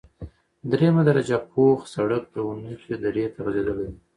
دریمه درجه پوخ سرک د اونخې درې ته غزیدلی،